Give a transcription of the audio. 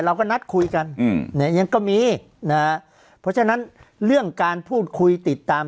เราก็นัดคุยกันอืมเนี่ยยังก็มีนะฮะเพราะฉะนั้นเรื่องการพูดคุยติดตาม